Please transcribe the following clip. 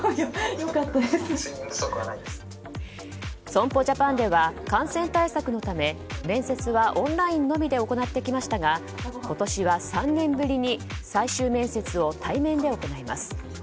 損保ジャパンでは感染対策のため面接はオンラインのみで行ってきましたが今年は３年ぶりに最終面接を対面で行います。